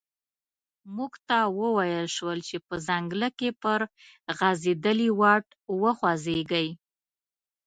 موږ ته و ویل شول چې په ځنګله کې پر غزیدلي واټ وخوځیږئ.